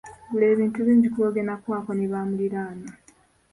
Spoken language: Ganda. Gula ebintu bingi kuba ogenda kuwaako ne bamuliraanwa.